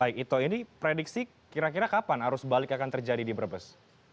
baik ito ini prediksi kira kira kapan arus balik akan terjadi di brebes